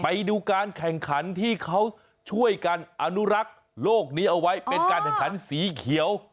ไปดูการแข่งขันที่เขาช่วยกันอนุรักษ์โลกนี้เอาไว้เป็นการแข่งขันสีเขียว